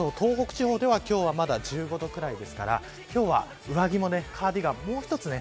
あと東北地方では今日はまだ１５度くらいですから今日は、上着もカーディガンももう一つ